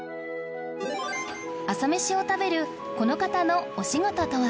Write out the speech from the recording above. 朝メシを食べるこの方のお仕事とは？